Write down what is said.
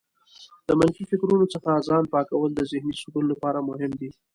د منفي فکرونو څخه ځان پاکول د ذهنې سکون لپاره مهم دي.